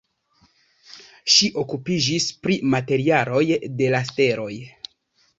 Ŝi okupiĝis pri materialoj de la steloj.